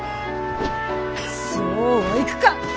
そうはいくか！